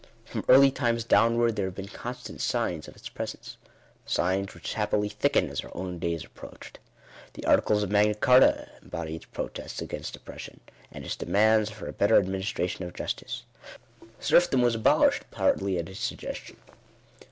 From early times downward there have been con stant signs of its presence — signs which happily thicken as our own day is approached. The articles of Magna Gharta embody its protests against oppression, and its demands for a better administration of justice. Serfdom was abolished partly at its suggestion.